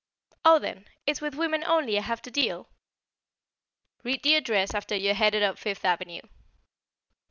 "Oh, then, it's with women only I have to deal?" "Read the address after you are headed up Fifth Avenue."